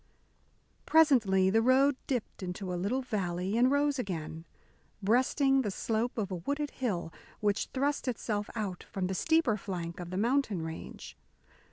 Presently the road dipped into a little valley and rose again, breasting the slope of a wooded hill which thrust itself out from the steeper flank of the mountain range.